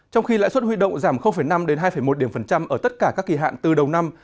trong khi lãi suất huy động giảm năm hai một điểm phần trăm ở tất cả các kỳ hạn từ đầu năm